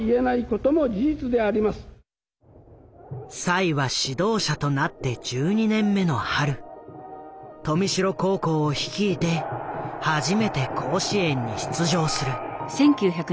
栽は指導者となって１２年目の春豊見城高校を率いて初めて甲子園に出場する。